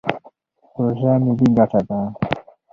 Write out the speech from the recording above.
پروژه ملي ګټه ده.